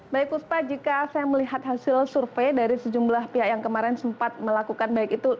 baik puspa jika saya melihat hasil survei dari sejumlah pihak yang kemarin sempat melakukan baik itu